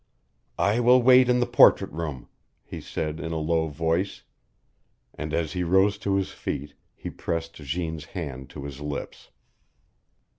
"I will wait in the portrait room," he said, in a low voice, and as he rose to his feet he pressed Jeanne's hand to his lips.